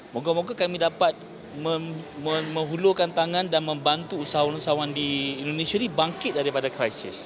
moga moga kami dapat menghulukan tangan dan membantu usahawan usahawan di indonesia ini bangkit daripada krisis